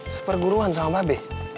seperguruan sama mba be